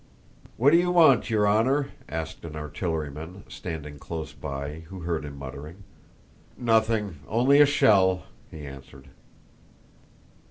"What do you want, your honor?" asked an artilleryman, standing close by, who heard him muttering. "Nothing... only a shell..." he answered.